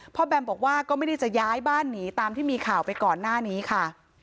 แบมบอกว่าก็ไม่ได้จะย้ายบ้านหนีตามที่มีข่าวไปก่อนหน้านี้ค่ะ